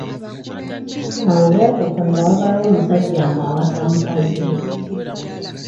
Awo olwatuuka nga wabaawo omusajja ng’awasa mukazi we.